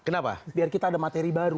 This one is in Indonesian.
kenapa biar kita ada materi baru